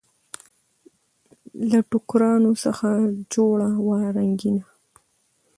له ټوکرانو څخه جوړه وه رنګینه